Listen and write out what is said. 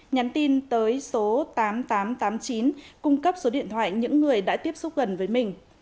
nhắn tin tới số tám nghìn tám trăm tám mươi chín cung cấp số điện thoại những người đã tiếp xúc gần với mình